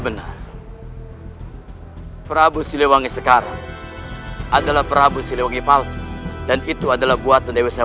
benar prabu siliwangi sekarang adalah prabu siliwangi palsu dan itu adalah buatan dewasa